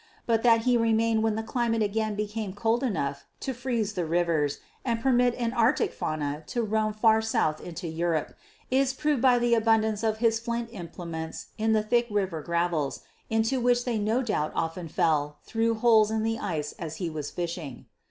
But that he remained when the climate again became cold enough to freeze the rivers and permit an Arctic fauna to roam far south into Europe is proved by the abundance of his flint implements in the thick river gravels, into which they no doubt often fell through holes in the ice as he was fishing.